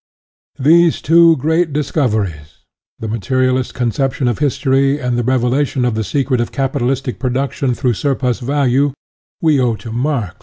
These two great discoveries, the material istic conception of history and the revelation of the secret of capitalistic production through surplus value, we owe to Marx.